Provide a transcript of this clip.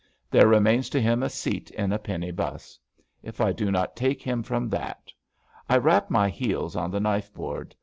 There remains to him a seat in a penny 'bus. If I do not take him from that. I rap my heels on the knife board.